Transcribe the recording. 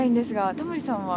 タモリさんは？